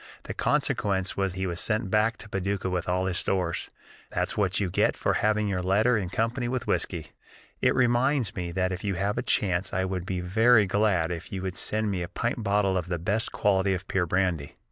The consequence was he was sent back to Paducah with all his stores. That's what you get for having your letter in company with whiskey! It reminds me that if you have a chance I would be very glad if you would send me a pint bottle of the best quality of pure brandy.